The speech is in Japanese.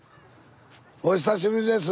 お久しぶりです。